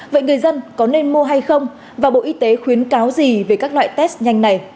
vậy người dân có nên mua hay không và bộ y tế khuyến cáo gì về các loại test nhanh này